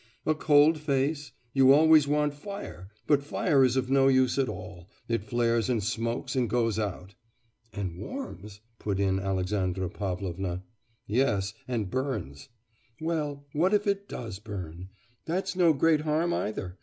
'A cold face.... You always want fire; but fire is of no use at all. It flares and smokes and goes out.' 'And warms,'... put in Alexandra Pavlovna. 'Yes... and burns.' 'Well, what if it does burn! That's no great harm either!